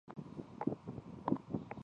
安罗德是德国图林根州的一个市镇。